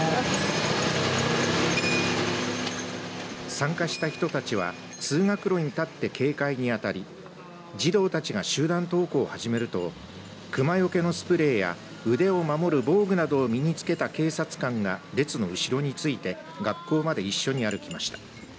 参加した人たちは通学路に立って警戒に当たり児童たちが集団登校を始めると熊よけのスプレーや腕を守る防具などを身に着けた警察官が別の後ろについて学校まで一緒に歩きました。